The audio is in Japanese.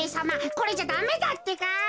これじゃダメだってか。